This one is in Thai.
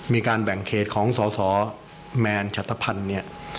มีการแบ่งเขตของสสแมนชัตภัณฑ์เนี่ย